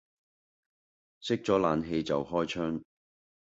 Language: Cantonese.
熄咗冷氣就開窗